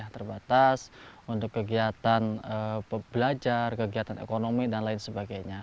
terbatas untuk kegiatan belajar kegiatan ekonomi dan lain sebagainya